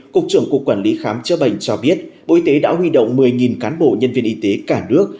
cục trưởng cục quản lý khám chữa bệnh cho biết bộ y tế đã huy động một mươi cán bộ nhân viên y tế cả nước